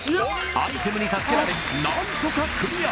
アイテムに助けられ何とかクリア